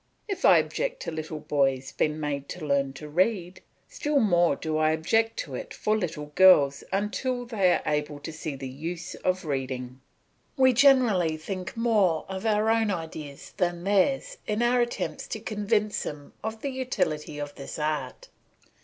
If I object to little boys being made to learn to read, still more do I object to it for little girls until they are able to see the use of reading; we generally think more of our own ideas than theirs in our attempts to convince them of the utility of this art.